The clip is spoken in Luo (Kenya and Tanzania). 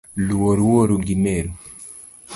Luor wuoru gi meru